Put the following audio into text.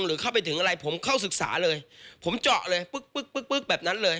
หรือเข้าไปถึงอะไรผมเข้าศึกษาเลยผมเจาะเลยปึ๊กปึ๊กปึ๊กแบบนั้นเลย